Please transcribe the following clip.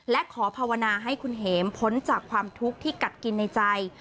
และขอภาวนาให้คุณเห็มพ้นจากความทุกข์ที่กัดกินในใจ